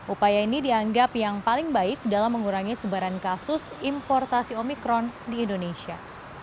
upaya ini dianggap yang paling baik dalam mengurangi sebaran kasus importasi omikron di indonesia